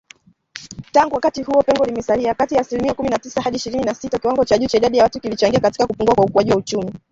Tangu wakati huo, pengo limesalia kati ya asilimia kumi na tisa hadi ishirini na sita, kiwango cha juu cha idadi ya watu kilichangia katika kupungua kwa ukuaji wa uchumi.